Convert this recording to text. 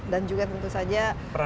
dan juga tentu saja